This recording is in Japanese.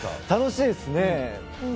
楽しいですね。